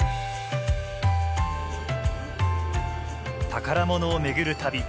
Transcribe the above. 宝物を巡る旅